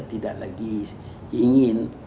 tidak lagi ingin